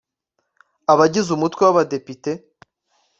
Abagize umutwe w abadepite